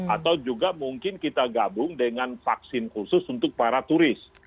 atau juga mungkin kita gabung dengan vaksin khusus untuk para turis